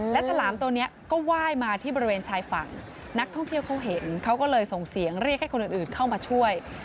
และฉลามตัวนี้ก็ไหว้มาที่บริเวณชายฝั่งนักท่องเที่ยวเขาเห็นเขาก็เลยส่งเสียงเรียกให้คนอื่นเข้ามาช่วย